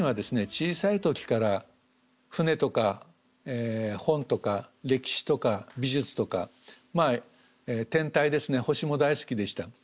小さい時から船とか本とか歴史とか美術とか天体ですね星も大好きでした。